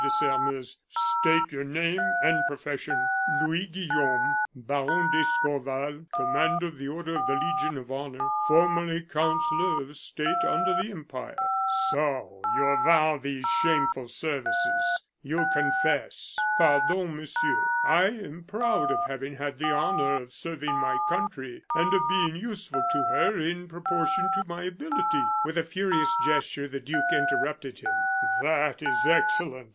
de Sairmeuse, "state your name and profession." "Louis Guillaume, Baron d'Escorval, Commander of the Order of the Legion of Honor, formerly Councillor of State under the Empire." "So you avow these shameful services? You confess " "Pardon, Monsieur; I am proud of having had the honor of serving my country, and of being useful to her in proportion to my ability " With a furious gesture the duke interrupted him. "That is excellent!"